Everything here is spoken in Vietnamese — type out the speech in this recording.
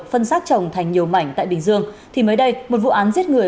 phân xác chồng thành nhiều mảnh tại bình dương thì mới đây một vụ án giết người